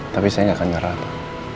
tapi saya nggak akan nyerah pa